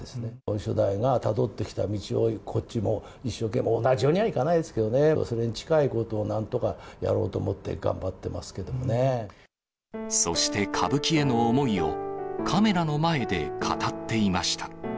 初代がたどってきた道をこっちも一生懸命、同じようにはいかないですけどね、それに近いことをなんとかやろうと思って、そして歌舞伎への思いを、カメラの前で語っていました。